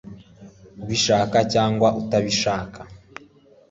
ubishaka cyangwa utabishaka